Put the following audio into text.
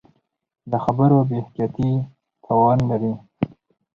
د خبرو بې احتیاطي تاوان لري